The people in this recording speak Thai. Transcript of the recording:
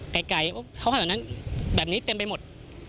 ไก่เขาให้แบบนั้นแบบนี้เต็มไปหมด